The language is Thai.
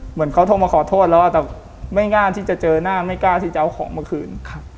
เหมือนเขาโทรมาขอโทษแล้วแต่ไม่น่าที่จะเจอหน้าไม่กล้าที่จะเอาของมาคืน